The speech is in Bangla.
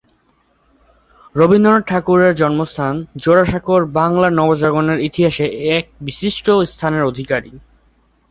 রবীন্দ্রনাথ ঠাকুরের জন্মস্থান জোড়াসাঁকো বাংলার নবজাগরণের ইতিহাসে এক বিশিষ্ট স্থানের অধিকারী।